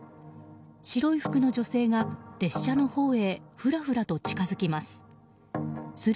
白い服の女性が列車のほうへふらふらと近づきます。